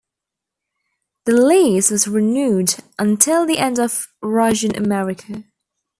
The lease was renewed until the end of Russian America.